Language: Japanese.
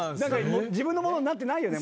自分のものになってないよね。